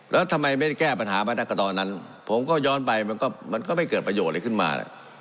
แล้วทำไมไม่ได้แก้ปัญหามาตั้งแต่ตอนนั้นผมก็ย้อนไปมันก็ไม่เกิดประโยชน์อะไรขึ้นมา